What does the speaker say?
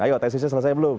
ayo tesisnya selesai belum